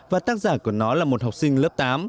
và tác giả của nó là một học sinh lớp tám